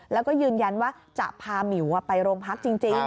แล้วก็ยืนยันว่าจะพาหมิวไปโรงพักจริง